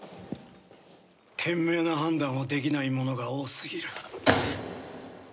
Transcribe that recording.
賢明な判断をできない者が多すぎる。